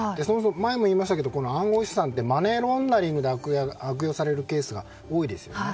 前も言いましたけど暗号資産ってマネーロンダリングに悪用されるケースが多いですよね。